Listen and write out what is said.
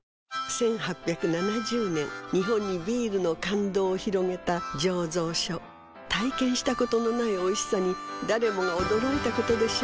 １８７０年日本にビールの感動を広げた醸造所体験したことのないおいしさに誰もが驚いたことでしょう